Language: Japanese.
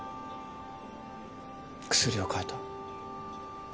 薬を替えた？